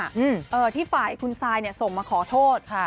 อ่ะที่ฝ่ายคุณไซน์ส่งมาขอโทษ